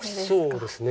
そうですね。